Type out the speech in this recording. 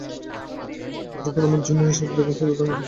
যখন আমার জূনির সাথে দেখা হয়েছিল তখন আমি একটি মিশনে ছিলাম।